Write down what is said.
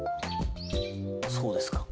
そうですか。